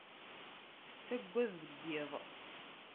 Tettagad deg yiḍ.